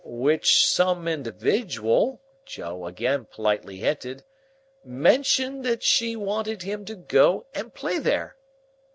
"—Which some individual," Joe again politely hinted, "mentioned that she wanted him to go and play there."